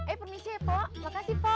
eh permisi ya po makasih po